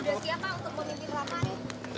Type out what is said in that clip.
sudah siap pak untuk memimpin rapat